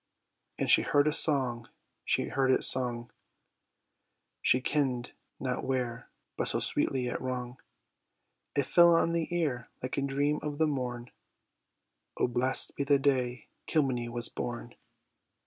And she heard a song, she heard it sung, She kenn'd not where; but so sweetly it rung, It fell on the ear like a dream of the morn: "O blest be the day Kilmeny was born!"